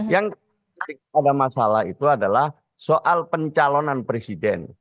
yang ada masalah itu adalah soal pencalonan presiden